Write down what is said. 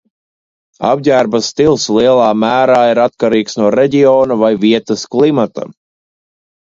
Apģērba stils lielā mērā ir atkarīgs no reģiona vai vietas klimata.